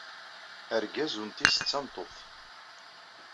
Argaz unti-is d tameṭṭut.